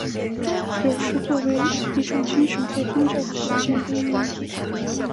有时作为一种精神或宗教的实践被运用。